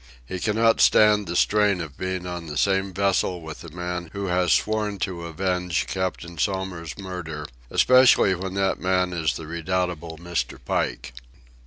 He cannot stand the strain of being on the same vessel with the man who has sworn to avenge Captain Somers's murder, especially when that man is the redoubtable Mr. Pike.